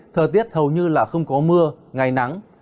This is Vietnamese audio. thời tiết hầu như là không có mưa ngày nắng